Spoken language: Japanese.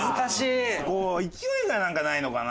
こう勢いがなんかないのかな？